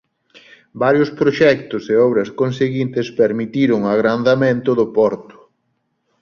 Varios proxectos e obras conseguintes permitiron o agrandamento do porto.